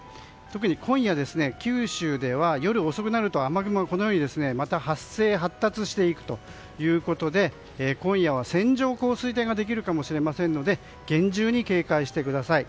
特に今夜、九州では夜遅くなると雨雲がまた発生・発達していくということで今夜は線状降水帯ができるかもしれませんので厳重に警戒してください。